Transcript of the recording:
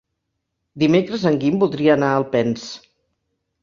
Dimecres en Guim voldria anar a Alpens.